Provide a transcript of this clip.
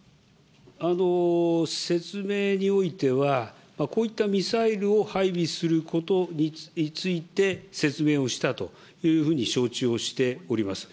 説明においては、こういったミサイルを配備することについて説明をしたというふうに承知をしております。